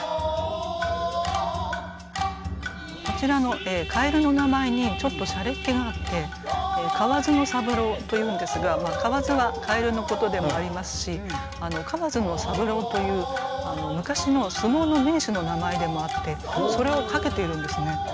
こちらの蛙の名前にちょっと洒落っ気があって蛙の武者というんですが蛙は蛙のことでもありますし河津三郎という昔の相撲の名手の名前でもあってそれを掛けているんですね。